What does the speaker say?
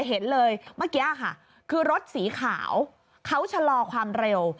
เห็นเลยเมื่อกี้ค่ะคือรถสีขาวเขาชะลอความเร็ว